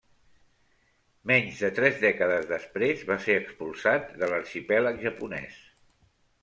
Menys de tres dècades després, va ser expulsat de l'arxipèlag japonès.